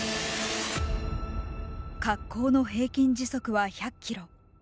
滑降の平均時速は、１００キロ。